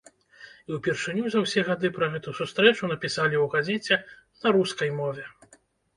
І ўпершыню за ўсе гады пра гэту сустрэчу напісалі ў газеце на рускай мове.